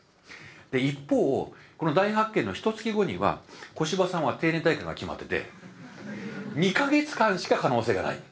で一方この大発見のひと月後には小柴さんは定年退官が決まってて２か月間しか可能性がない。